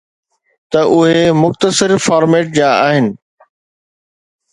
ته اهي مختصر فارميٽ جا آهن